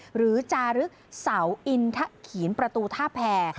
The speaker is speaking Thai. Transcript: หรือจารึกเสาอินทะขีนประตูท่าแพร